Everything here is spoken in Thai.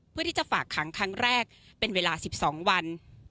เพื่อที่จะฝากขังครั้งแรกเป็นเวลา๑๒วัน